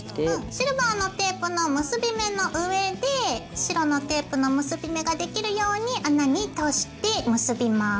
シルバーのテープの結び目の上で白のテープの結び目ができるように穴に通して結びます。